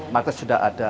market sudah ada